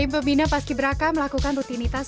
pembina paski beraka melakukan rutinitas